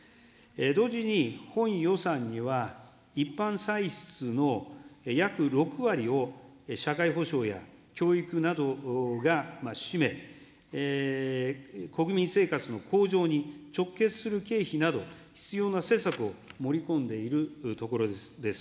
同時に本予算には、一般歳出の約６割を社会保障や教育などが占め、国民生活の向上に直結する経費など、必要な施策を盛り込んでいるところです。